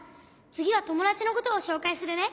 つぎはともだちのことをしょうかいするね。